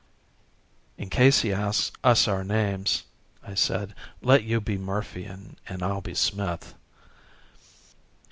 "In case he asks us for our names," I said, "let you be Murphy and I'll be Smith."